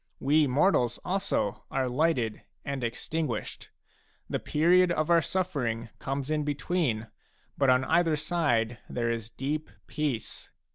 We mortals also are lighted and extinguished ; the period of sufFering comes in between, but on either side there is a deep peace.